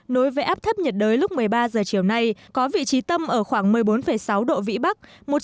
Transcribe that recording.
nối với áp thấp nhiệt đới lúc một mươi ba h chiều nay có vị trí tâm ở khoảng một mươi bốn sáu độ vĩ bắc